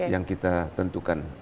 yang kita tentukan